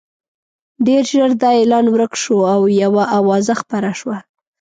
ډېر ژر دا اعلان ورک شو او یوه اوازه خپره شوه.